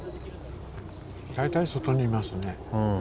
大体外にいますね。